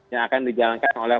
yang akan dijalankan oleh